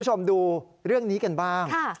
คุณผู้ชมดูเรื่องนี้กันบ้าง